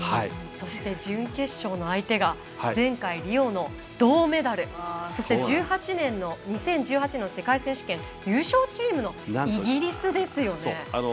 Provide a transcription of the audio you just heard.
準決勝の相手が前回リオの銅メダルそして、２０１８年の世界選手権優勝チームのイギリスですよね。